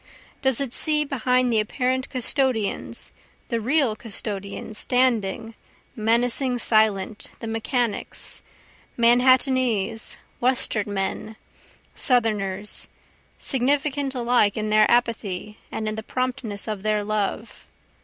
Does it see behind the apparent custodians the real custodians standing, menacing, silent, the mechanics, Manhattanese, Western men, Southerners, significant alike in their apathy, and in the promptness of their love?